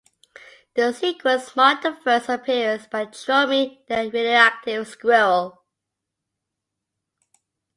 The sequels marked the first appearance by Tromie the radioactive squirrel.